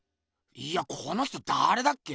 いやこの人だれだっけ？